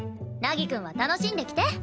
凪くんは楽しんできて！